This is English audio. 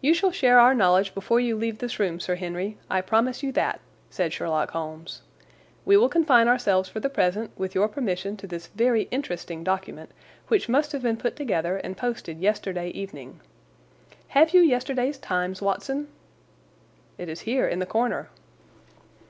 "You shall share our knowledge before you leave this room, Sir Henry. I promise you that," said Sherlock Holmes. "We will confine ourselves for the present with your permission to this very interesting document, which must have been put together and posted yesterday evening. Have you yesterday's Times, Watson?" "It is here in the corner."